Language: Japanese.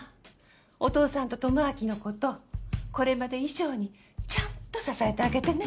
お父さんと智明のことこれまで以上にちゃんと支えてあげてね。